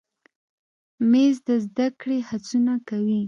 مېز د زده کړې هڅونه کوي.